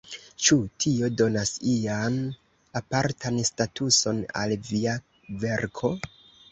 Ĉu tio donas ian apartan statuson al via verko?